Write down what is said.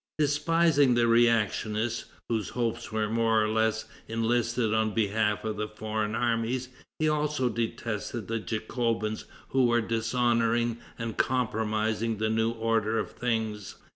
Despising the reactionists, whose hopes were more or less enlisted on behalf of the foreign armies, he also detested the Jacobins who were dishonoring and compromising the new order of things.